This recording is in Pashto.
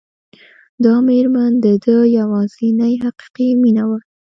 دا مېرمن د ده يوازېنۍ حقيقي مينه وه.